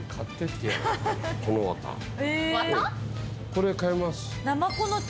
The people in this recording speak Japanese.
これ買います。